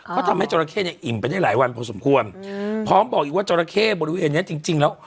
เขาทำให้จราเข้เนี่ยอิ่มไปได้หลายวันพอสมควรพร้อมบอกอีกว่าจราเข้บริเวณเนี้ยจริงจริงแล้ว